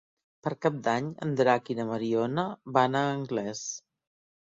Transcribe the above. Per Cap d'Any en Drac i na Mariona van a Anglès.